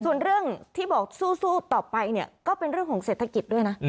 ส่วนเรื่องที่บอกสู้ต่อไปเนี่ยก็เป็นเรื่องของเศรษฐกิจด้วยนะ